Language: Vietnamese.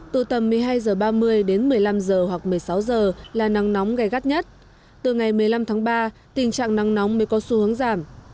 từ tầm một mươi hai h ba mươi đến một mươi năm h hoặc một mươi sáu h là nắng nóng gai gắt nhất từ ngày một mươi năm tháng ba tình trạng nắng nóng mới có xu hướng giảm